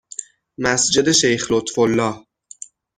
مسجد شیخ لطفالله